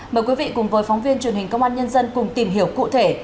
mời quý vị cùng với phóng viên truyền hình công an nhân dân cùng tìm hiểu cụ thể